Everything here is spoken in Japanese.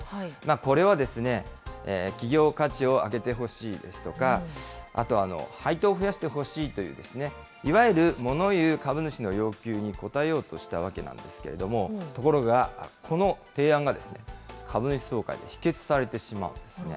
これはですね、企業価値を上げてほしいですとか、あと、配当を増やしてほしいという、いわゆる物言う株主の要求に応えようとしたわけなんですけれども、ところがこの提案が株主総会で否決されてしまうんですね。